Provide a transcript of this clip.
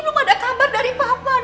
belum ada kabar dari papa